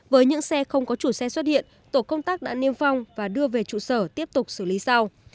với những xe không có chủ xe xuất hiện tổ công tác đã niêm phong và đưa về trụ sở tiếp tục xử lý sau